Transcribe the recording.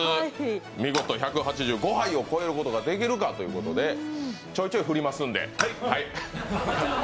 見事１８５杯を超えることができるかということでちょいちょい振りますんで。